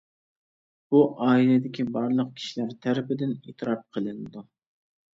بۇ ئائىلىدىكى بارلىق كىشىلەر تەرىپىدىن ئېتىراپ قىلىنىدۇ.